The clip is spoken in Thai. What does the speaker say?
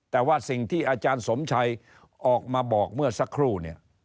แต่ว่าสิ่งที่อาจารย์สมชัยออกมาบอกเมื่อสักครู่เนี่ย